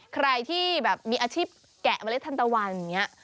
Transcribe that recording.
ใครที่แบบมีอาชีพแกะเมล็ดทันตะวันอย่างนี้